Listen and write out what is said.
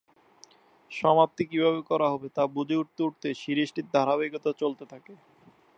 সমাপ্তি কিভাবে করা হবে তা বুঝে উঠতে উঠতে সিরিজটির ধারাবাহিকতা চলতে থাকে।